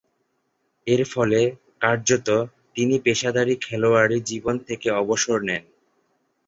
এরফলে, কার্যতঃ তিনি পেশাদারী খেলোয়াড়ী জীবন থেকে অবসর নেন।